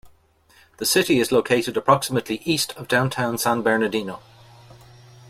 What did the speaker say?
The city is located approximately east of downtown San Bernardino.